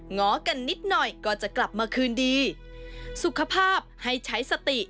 ง้อกันนิดหน่อยก็จะกลับมาคืนดีสุขภาพให้ใช้สติ